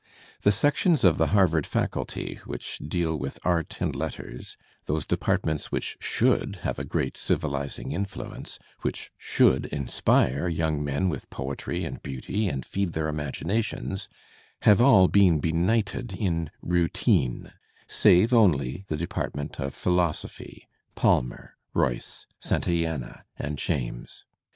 The sections of ' the Harvard faculty which deal with art and letters, those departments which should have a great civilizing influence, < which should inspire young men with poetry and beauty , and feed their imaginations, have all been benighted in ' routine, save only the department of philosophy, Palmer, j Royce, Santayana and James.